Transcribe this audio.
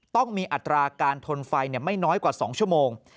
ต้องมีอัตราการทนไฟไม่น้อยกว่า๒ชั่วโมง